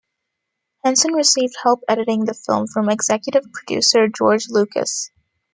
Henson received help editing the film from executive producer George Lucas.